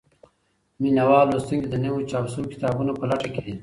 مينه وال لوستونکي د نويو چاپ سوو کتابونو په لټه کي دي.